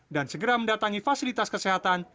dan segera mendatangi fasilitas kesehatan